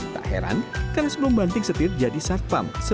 tak heran karena sebelum banting setir jadi satpam